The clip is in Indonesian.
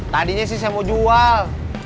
tadinya sih saya mau jual